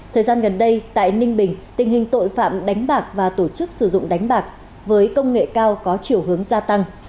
thời gian gần đây tại ninh bình tình hình tội phạm đánh bạc và tổ chức sử dụng đánh bạc với công nghệ cao có chiều hướng gia tăng